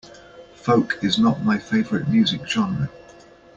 Folk is not my favorite music genre.